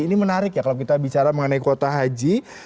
ini menarik ya kalau kita bicara mengenai kuota haji